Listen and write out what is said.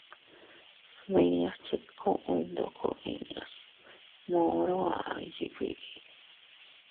Smiñas chetkuy ndoko inñas moro aʼay yiʼi biʼi.